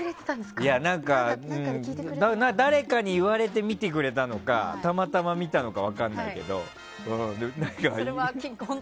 誰かに言われて見てくれたのかたまたま見てくれたのか分かんないけど。